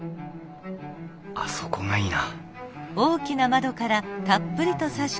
あそこがいいな